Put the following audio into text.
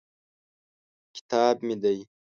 کتاب مې دی.